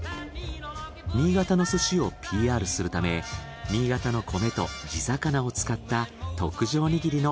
新潟の寿司をＰＲするため新潟の米と地魚を使った特上にぎりの